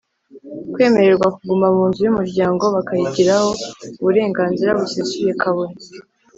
kwemererwa kuguma mu nzu y’umuryango bakayigiraho uburenganzira busesuye, kabone ,